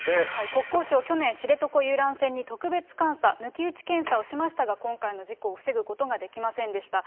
国交省、去年、知床遊覧船に特別監査、抜き打ち検査をしましたが、今回の事故を防ぐことができませんでした。